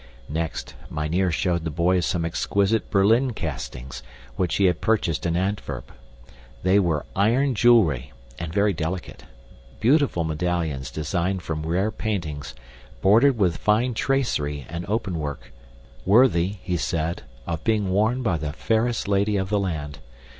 Next, mynheer showed the boys some exquisite Berlin castings, which he had purchased in Antwerp. They were IRON JEWELRY, and very delicate beautiful medallions designed from rare paintings, bordered with fine tracery and open work worthy, he said, of being worn by the fairest lady of the land.